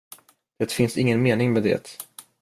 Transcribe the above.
Det finns ingen mening med det.